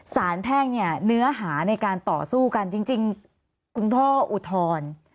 แพ่งเนี่ยเนื้อหาในการต่อสู้กันจริงคุณพ่ออุทธรณ์